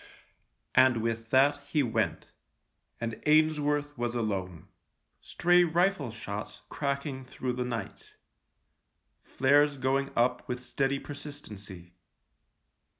And with that he went, and Ainsworth was alone. Stray rifle shots cracking through the night — flares going up with steady persis tency.